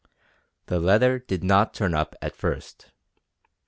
The letter did not turn up at first.